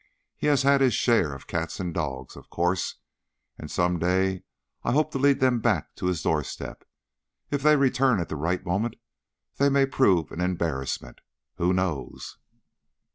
He has had his share of cats and dogs, of course, and some day I hope to lead them back to his doorstep. If they return at the right moment, they may prove an embarrassment. Who knows?"